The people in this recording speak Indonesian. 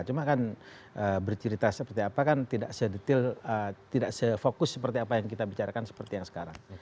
cuma kan bercerita seperti apa kan tidak sedetil tidak sefokus seperti apa yang kita bicarakan seperti yang sekarang